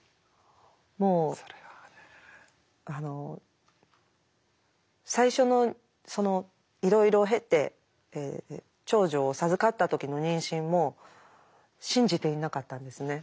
もうあの最初のそのいろいろ経て長女を授かった時の妊娠も信じていなかったんですね。